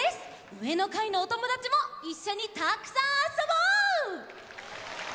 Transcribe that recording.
うえのかいのおともだちもいっしょにたくさんあそぼう！